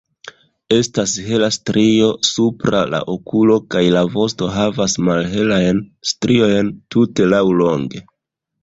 Estas hela strio supra la okulo kaj la vosto havas malhelajn striojn tute laŭlonge.